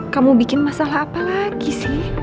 kamu bikin masalah apa lagi sih